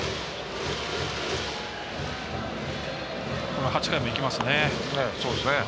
この８回もいきますね。